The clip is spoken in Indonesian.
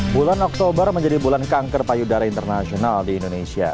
bulan oktober menjadi bulan kanker payudara internasional di indonesia